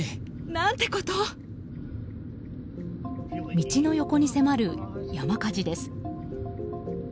道の横に迫る山火事です。